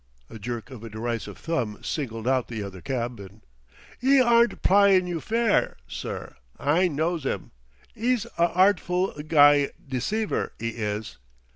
A jerk of a derisive thumb singled out the other cabman. "'E aren't pl'yin' you fair, sir; I knows 'im, 'e's a hartful g'y deceiver, 'e is.